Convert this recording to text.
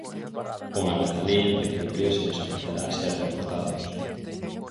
Unha vez alí, en principio, se lles ofrecerá ser deportados.